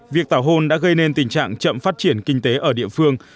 việc tảo hôn đã gây nên tình trạng chậm phát triển kinh tế ở địa phương